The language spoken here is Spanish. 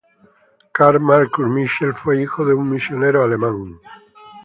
Karl Markus Michel fue hijo de un misionero alemán.